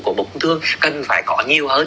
của bộ công thương cần phải có nhiều hơn